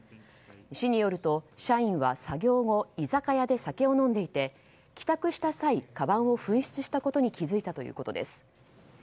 市によると、社員は作業後居酒屋で酒を飲んでいて帰宅した際かばんを紛失したことに気付いたということです。